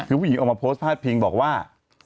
คือผู้หญิงออกมาโพสต์พาดพิงบอกว่า